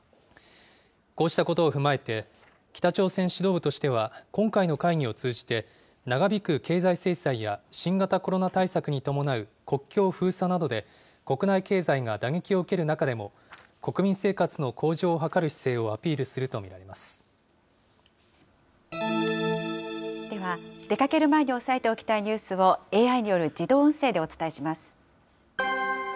こうしたことを踏まえて、北朝鮮指導部としては、今回の会議を通じて、長引く経済制裁や新型コロナ対策に伴う国境封鎖などで、国内経済が打撃を受ける中でも、国民生活の向上を図る姿勢をアピールするでは、出かける前に押さえておきたいニュースをＡＩによる自動音声でお伝えします。